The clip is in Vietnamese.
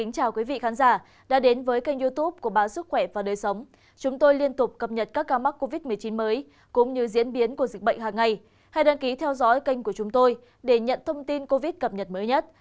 các bạn hãy đăng ký kênh của chúng tôi để nhận thông tin cập nhật mới nhất